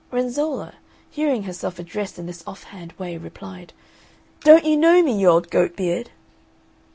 Renzolla, hearing herself addressed in this off hand way, replied, "Don't you know me, you old goat beard?"